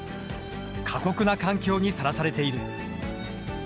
過酷な環境にさらされている。